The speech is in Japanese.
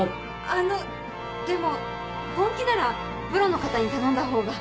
あのでも本気ならプロの方に頼んだほうが。